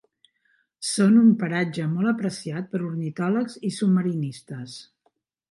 Són un paratge molt apreciat per ornitòlegs i submarinistes.